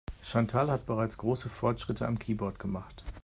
Chantal hat bereits große Fortschritte am Keyboard gemacht.